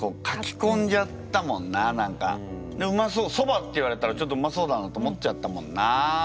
そばって言われたらちょっとうまそうだなって思っちゃったもんな。